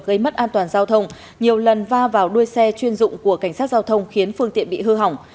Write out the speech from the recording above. gây mất an toàn giao thông nhiều lần va vào đuôi xe chuyên dụng của cảnh sát giao thông khiến phương tiện bị hư hỏng